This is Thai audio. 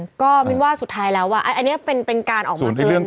เออก็นึกว่าสุดท้ายแล้วว่าอันเนี่ยเป็นการออกมากึ่ง